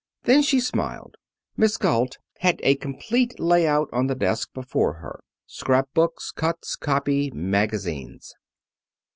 Then she smiled. Miss Galt had a complete layout on the desk before her scrap books, cuts, copy, magazines.